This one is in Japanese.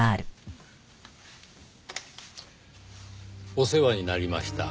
「お世話になりました。